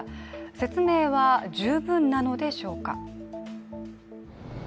説明は十分なのでしょうか。